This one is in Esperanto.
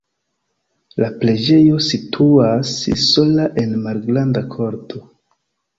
La preĝejo situas sola en malgranda korto.